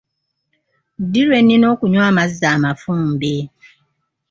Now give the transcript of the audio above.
Ddi lwenina okunywa amazzi amafumbe?